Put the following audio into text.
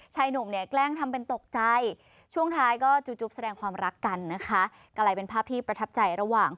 ชายหนุ่มเนี้ยแกล้งทำเป็นตกใจ